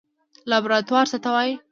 لابراتوار څه ته وایي؟